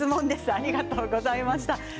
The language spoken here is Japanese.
ありがとうございます。